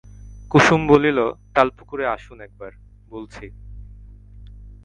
কুসুম বলিল, তালপুকুরে আসুন একবার, বলছি।